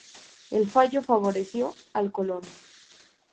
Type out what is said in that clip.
El fallo favoreció al colono.